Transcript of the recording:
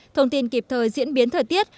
thông tin kịp thời diễn biến thời tiết